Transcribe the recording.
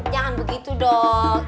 jangan begitu dong